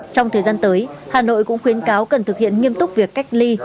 trong thời gian tới hà nội cũng khuyến cáo cần thực hiện nghiêm túc việc cách ly